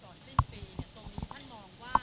สิ้นปีตรงนี้ท่านมองว่า